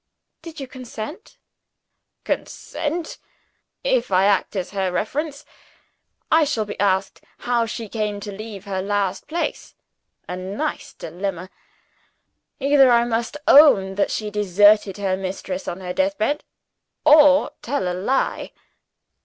"Did you consent?" "Consent! If I act as her reference, I shall be asked how she came to leave her last place. A nice dilemma! Either I must own that she deserted her mistress on her deathbed or tell a lie.